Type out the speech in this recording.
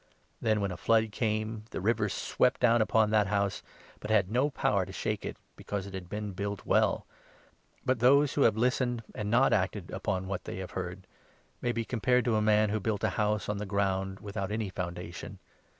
Then, when a flood came, the river swept down upon that house, but had no power to shake it, because it had been built well. But those who have 49 listened and not acted upon what they have heard may be compared to a man who built a house on the ground without any foundation.